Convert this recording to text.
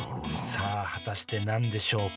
さあ果たして何でしょうか？